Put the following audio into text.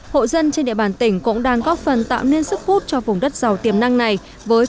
hộ dân trên địa bàn tỉnh cũng đang góp phần tạo nên sức hút cho vùng đất giàu tiềm năng này với